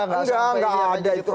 nggak nggak ada itu